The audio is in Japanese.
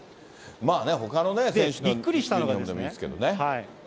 まあね、ほかの選手のユニホームでもいいですけどね。